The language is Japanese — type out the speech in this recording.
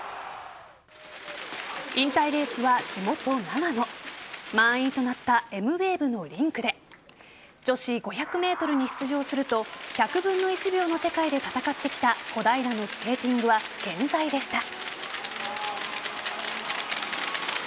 引退レースは地元・長野満員となったエムウェーブのリンクで女子５００ｍに出場すると１００分の１秒の世界で戦ってきた小平のスケーティングは健在でした。